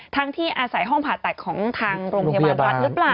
ที่อาศัยห้องผ่าตัดของทางโรงพยาบาลรัฐหรือเปล่า